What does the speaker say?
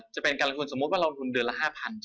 จะเป็นการลงทุนสมมุติว่าลงทุนเดือนละ๕๐๐ใช่ไหม